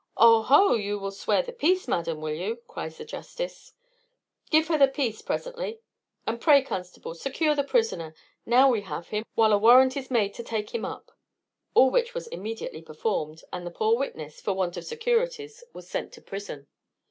"Oho! you will swear the peace, madam, will you?" cries the justice: "Give her the peace, presently; and pray, Mr. Constable, secure the prisoner, now we have him, while a warrant is made to take him up." All which was immediately performed, and the poor witness, for want of securities, was sent to prison.